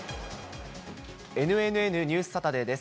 ＮＮＮニュースサタデーです。